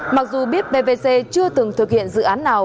mặc dù biết pvc chưa từng thực hiện dự án nào